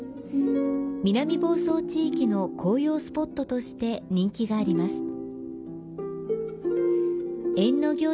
南房総地域の紅葉スポットとして人気があります。